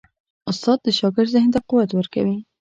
استاد د شاګرد ذهن ته قوت ورکوي.